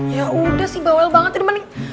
ya udah sih bawel banget ini